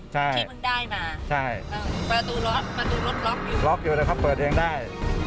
ที่มึงได้มาประตูรถล็อคอยู่นะครับเปิดเองได้